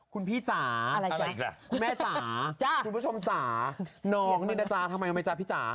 คุณพี่จ๋าอีกล่ะคุณแม่จ๋าคุณผู้ชมจ๋าน้องนี่นะจ๊ะทำไมทำไมจ๊ะพี่จ๋า